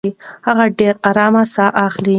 هغه ډېره ارامه ساه اخلي.